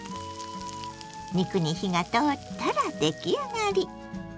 肉に火が通ったら出来上がり。